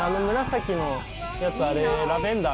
紫のやつあれ。